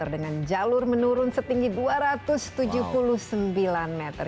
dengan jalur menurun setinggi dua ratus tujuh puluh sembilan meter